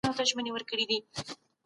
د واک په وسيله سياسي موخې ترلاسه کيږي.